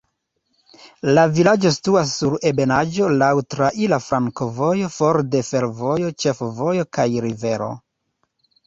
La vilaĝo situas sur ebenaĵo, laŭ traira flankovojo, for de fervojo, ĉefvojo kaj rivero.